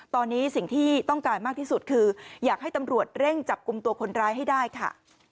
ตอนนี้สิ่งที่ต้องการมากที่สุดคืออยากให้ตำรวจเร่งจับกลุ่มตัวคนร้ายให้ได้ค่ะ